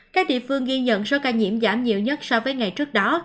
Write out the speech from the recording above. các địa phương ghi nhận số ca nhiễm giảm nhiều nhất so với ngày trước đó